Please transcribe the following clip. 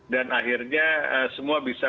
dan akhirnya semua bisa